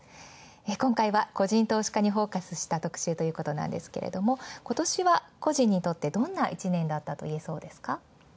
今回は個人投資家にフォーカスした特集なんですけども今年は個人にとってどんな１年だったといえますか？